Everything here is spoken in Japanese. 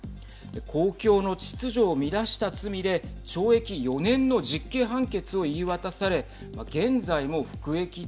公共の秩序を乱した罪で懲役４年の実刑判決を言い渡されはい。